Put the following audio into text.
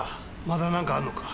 まだ何かあるのか？